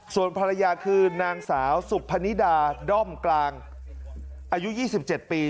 ส่วนภรรยาคือนางสาวสุพนิดาด้อมกลางอายุ๒๗ปี